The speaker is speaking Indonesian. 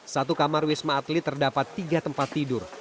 satu kamar wisma atlet terdapat tiga tempat tidur